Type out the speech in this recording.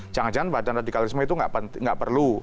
jangan jangan badan radikalisme itu nggak perlu